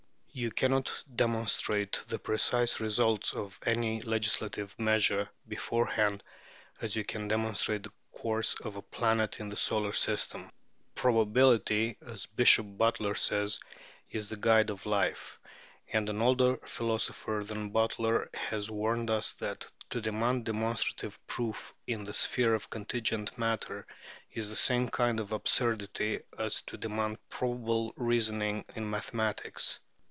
You cannot demonstrate the precise results of any legislative measure beforehand as you can demonstrate the course of a planet in the solar system. "Probability," as Bishop Butler says, "is the guide of life;" and an older philosopher than Butler has warned us that to demand demonstrative proof in the sphere of contingent matter is the same kind of absurdity as to demand probable reasoning in mathematics.